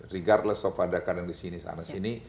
regardless of ada kadang di sini sana sini